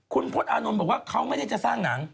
คุณพจน์อานนท์บอกว่าเขาไม่ได้จะสร้างหนัง